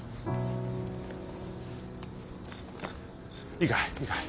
いいかい？